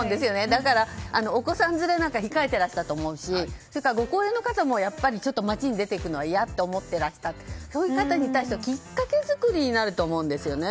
だから、お子さん連れなんかは控えていらしたと思いますしそれからご高齢の方もやっぱり街に出て行くのはいやと思ってらっしゃるからそういった方に対してはきっかけ作りになると思うんですよね。